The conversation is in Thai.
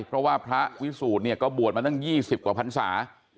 เพราะว่าพระวิสูจน์เนี่ยก็บวชมาตั้ง๒๐กว่าพันศา